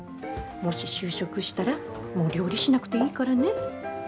もし就職したらもう料理しなくていいからね。